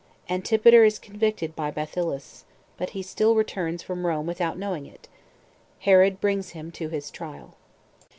Antipater Is Convicted By Bathyllus; But He Still Returns From Rome Without Knowing It. Herod Brings Him To His Trial.